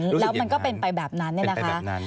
แล้วมันก็เป็นไปแบบนั้นเนี่ยนะคะ